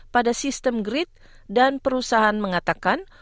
pada sistem grid dan perusahaan mengatakan